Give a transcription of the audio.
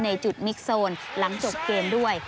ในจุดมิกโซนหลังจบเกมด้วย